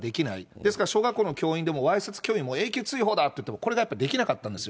ですから小学校の教員でも、わいせつ教諭も永久追放だっていっても、これがやっぱりできなかったんですよ。